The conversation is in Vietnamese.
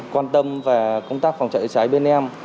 quan tâm về công tác phòng chạy chạy cháy bên em